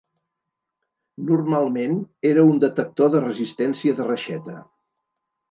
Normalment era un detector de resistència de reixeta.